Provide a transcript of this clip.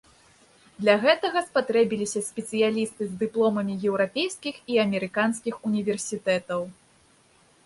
Для гэтага спатрэбіліся спецыялісты з дыпломамі еўрапейскіх і амерыканскіх універсітэтаў.